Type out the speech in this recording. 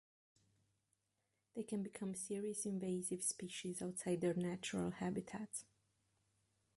They can become serious invasive species outside their natural habitats.